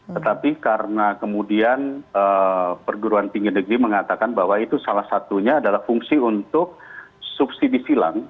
tetapi karena kemudian perguruan tinggi negeri mengatakan bahwa itu salah satunya adalah fungsi untuk subsidi silang